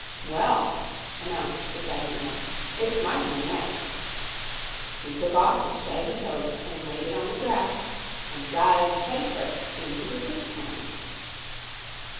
"Well," announced the shaggy man, "it's my turn next." He took off his shaggy coat and laid it on the grass and dived head first into the Truth Pond.